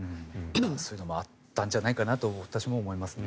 そういうのもあったんじゃないかと私も思います。